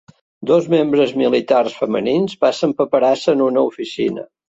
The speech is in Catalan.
Dos membres militars femenins passen paperassa en una oficina